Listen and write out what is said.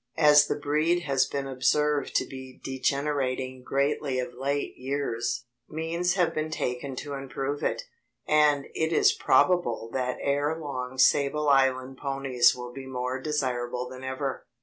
As the breed has been observed to be degenerating greatly of late years, means have been taken to improve it, and it is probable that ere long Sable Island ponies will be more desirable than ever.